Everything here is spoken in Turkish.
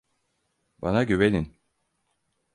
Bana güvenin.